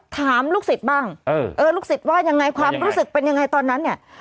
ฮ่าฮ่าฮ่าฮ่าฮ่าฮ่าฮ่าฮ่า